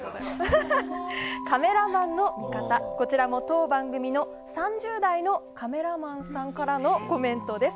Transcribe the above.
こちらも当番組の３０代のカメラマンさんからのコメントです。